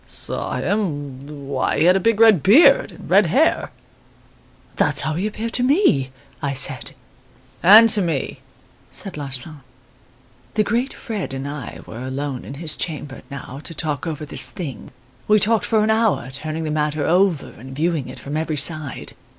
"'Saw him! why, he had a big red beard and red hair.' "'That's how he appeared to me,' I said. "'And to me,' said Larsan. "The great Fred and I were alone in his chamber, now, to talk over this thing. We talked for an hour, turning the matter over and viewing it from every side.